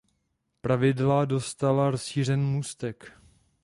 Plavidla dostala rozšířený můstek.